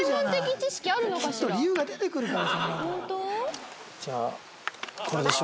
きっと理由が出てくるから。